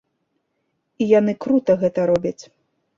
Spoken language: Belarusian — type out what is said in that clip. І яны крута гэта робяць.